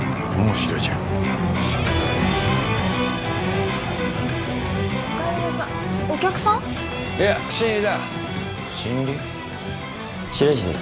白石です